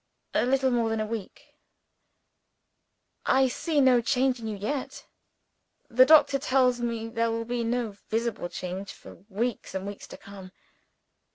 "A little more than a week." "I see no change in you yet." "The doctor tells me there will be no visible change for weeks and weeks to come."